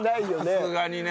さすがにね。